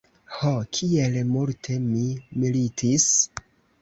Ho, kiel multe mi militis!